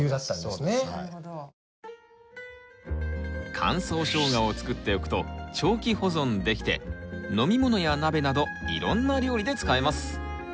乾燥ショウガを作っておくと長期保存できて飲み物や鍋などいろんな料理で使えます。